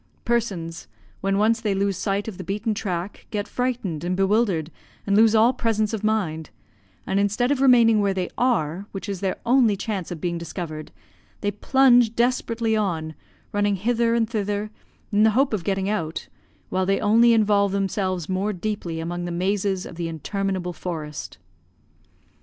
Persons, when once they lose sight of the beaten track, get frightened and bewildered and lose all presence of mind; and instead of remaining where they are, which is their only chance of being discovered, they plunge desperately on, running hither and thither, in the hope of getting out, while they only involve themselves more deeply among the mazes of the interminable forest.